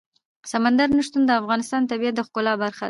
سمندر نه شتون د افغانستان د طبیعت د ښکلا برخه ده.